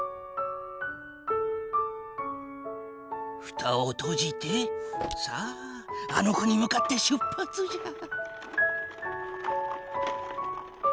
ふたをとじてさああの子に向かって出発じゃ。